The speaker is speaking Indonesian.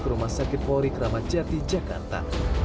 ke rumah sakit polri kramacati jakarta